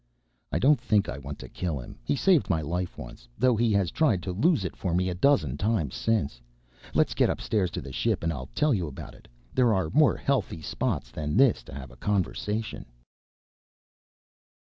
"I don't think I want to kill him. He saved my life once, though he has tried to lose it for me a dozen times since. Let's get upstairs to the ship and I'll tell you about it. There are more healthy spots than this to have a conversation."